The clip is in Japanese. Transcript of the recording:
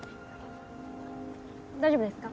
大丈夫ですか？